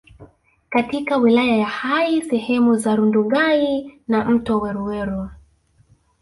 katika wilaya ya Hai sehemu za Rundugai na mto Weruweru